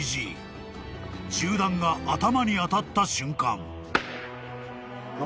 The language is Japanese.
［銃弾が頭に当たった瞬間］